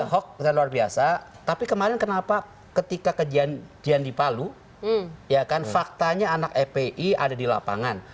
hoax luar biasa tapi kemarin kenapa ketika ke jandipalu ya kan faktanya anak epi ada di lapangan